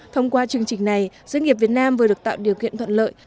thông qua chương trình này doanh nghiệp việt nam vừa được tạo điều kiện thuận lợi